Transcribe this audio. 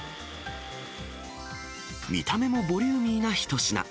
見た目もボリューミーな一品。